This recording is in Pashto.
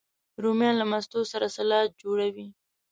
رومیان له ماستو سره سالاد جوړوي